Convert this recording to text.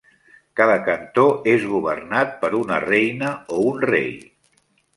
Cada cantó és governat per una reina o un rei.